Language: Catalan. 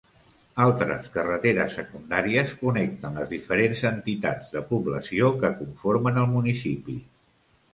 Altres carreteres secundàries connecten les diferents entitats de població que conformen el municipi.